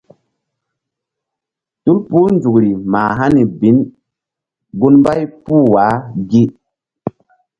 Tul puh nzukri mah hani bin gun mbay puh wa gi.